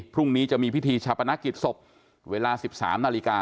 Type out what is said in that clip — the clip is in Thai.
พรุ่งนี้จะมีพิธีชาปนกิจศพเวลา๑๓นาฬิกา